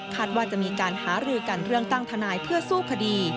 ว่าจะมีการหารือกันเรื่องตั้งทนายเพื่อสู้คดี